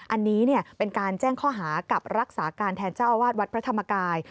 อันนี้เป็นการแจ้งข้อหากับรักษาการแทนเจ้าอาวาสวัดพระธรรมกาย